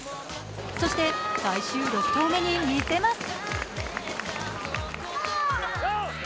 そして最終６投目に見せます。